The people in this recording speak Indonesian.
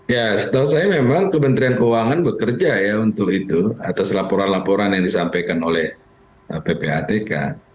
ya setahu saya memang kementerian keuangan bekerja ya untuk itu atas laporan laporan yang disampaikan oleh ppatk